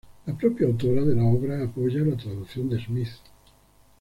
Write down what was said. La propia autora de la obra apoya la traducción de Smith.